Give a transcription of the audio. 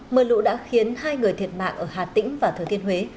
mưa lũ đã khiến hai người thiệt mạng ở hà tĩnh và thừa thiên huế